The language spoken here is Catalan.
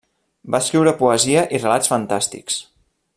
Va escriure poesia i relats fantàstics.